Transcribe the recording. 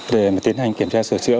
để tiến hành kiểm tra sửa chữa